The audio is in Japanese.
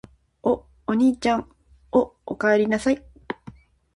お、おにいちゃん・・・お、おかえりなさい・・・